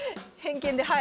はい。